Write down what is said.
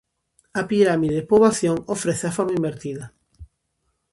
A pirámide de poboación ofrece a forma invertida.